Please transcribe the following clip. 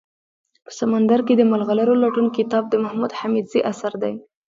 په سمندر کي دملغلرولټون کتاب دمحمودحميدزي اثر دئ